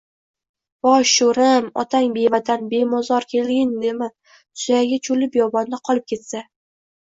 – Voy sho‘ri-im, otang bevatan, bemozor – kelgindimi, suyagi cho‘lu biyobonda qolib ketsa?